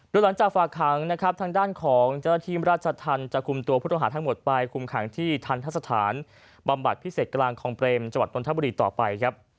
ด้วยหลังจากฝากหางทางด้านของเจ้าทีมราชธรรมจะคุมตัวผู้ต้องหาทั้งหมดไปคุมหางที่ธรรมศาสตร์บำบัดพิเศษกลางของเบรมจตนทบุรีต่อไป